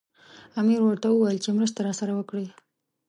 امیر ورته وویل چې مرسته راسره وکړي.